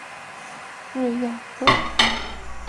瑞亚克。